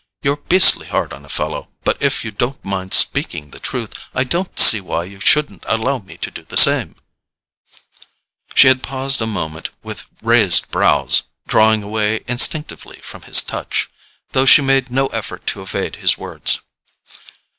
You're beastly hard on a fellow; but if you don't mind speaking the truth I don't see why you shouldn't allow me to do the same." She had paused a moment with raised brows, drawing away instinctively from his touch, though she made no effort to evade his words.